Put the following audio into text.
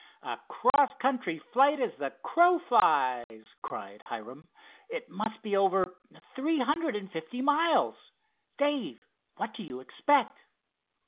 "A cross country flight as the crow flies!" cried Hiram. "It must be over three hundred and fifty miles. Dave, what do you expect?"